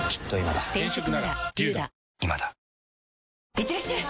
いってらっしゃい！